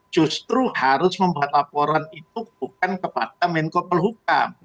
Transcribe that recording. justru harus membuat laporan itu bukan kepada menko polhukam